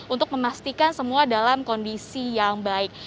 untuk memastikan semua dalam kondisi yang baik